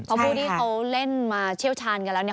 เขาพูดที่เขาเล่นมาเชี่ยวชาญกันแล้ว